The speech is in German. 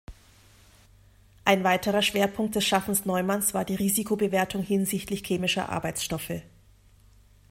Ein weiterer Schwerpunkt des Schaffens Neumanns war die Risikobewertung hinsichtlich chemischer Arbeitsstoffe.